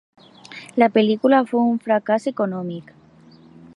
La pel·lícula fou un fracàs econòmic.